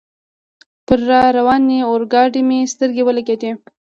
پر را روانې اورګاډي مې سترګې ولګېدلې.